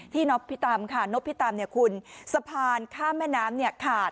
ที่นบพิตามค่ะนบพิตามคุณสะพานข้ามแม่น้ำเนี่ยขาด